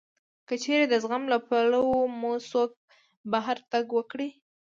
که چېرې د زغم له پولو مو څوک بهر تګ وکړي